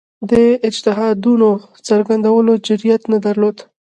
د اجتهادونو څرګندولو جرئت نه درلود